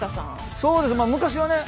そうですねまあ昔はね。